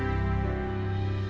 yang diber nc